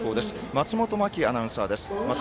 松本真季アナウンサーです。